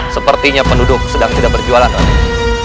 sepertinya penduduk sedang tidak berjualan online